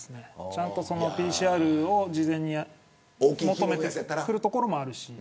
ちゃんとＰＣＲを事前に求めてくるところもあるし。